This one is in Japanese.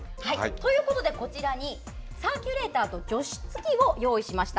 こちらにサーキュレーターと除湿機を用意しました。